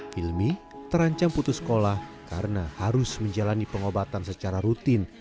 hilmi terancam putus sekolah karena harus menjalani pengobatan secara rutin